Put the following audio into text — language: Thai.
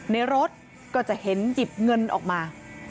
รถก็จะเห็นหยิบเงินออกมา